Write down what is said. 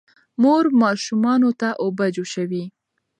مور ماشومانو ته اوبه جوشوي.